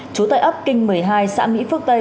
chú tây ấp kinh một mươi hai xã mỹ phước tây